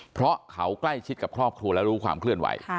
เพราะเขาใกล้ชิดกับครอบครัวแล้วรู้ความเคลื่อนไหว